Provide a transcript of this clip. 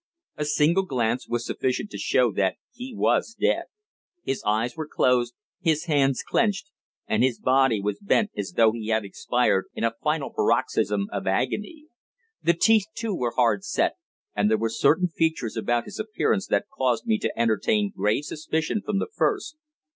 A single glance was sufficient to show that he was dead. His eyes were closed, his hands clenched, and his body was bent as though he had expired in a final paroxysm of agony. The teeth, too, were hard set, and there were certain features about his appearance that caused me to entertain grave suspicion from the first.